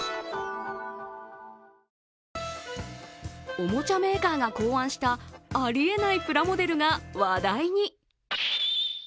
おもちゃメーカーが考案したありえないプラモデルが話題に。